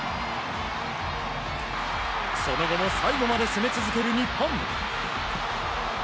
その後も最後まで攻め続ける日本。